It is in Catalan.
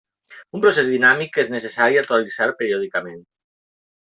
Un procés dinàmic que és necessari actualitzar periòdicament.